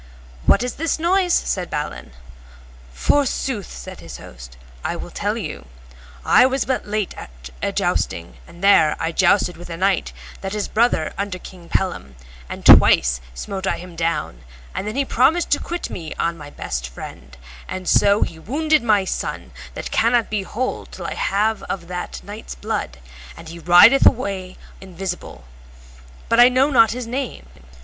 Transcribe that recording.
What is this noise? said Balin. Forsooth, said his host, I will tell you. I was but late at a jousting, and there I jousted with a knight that is brother unto King Pellam, and twice smote I him down, and then he promised to quit me on my best friend; and so he wounded my son, that cannot be whole till I have of that knight's blood, and he rideth alway invisible; but I know not his name.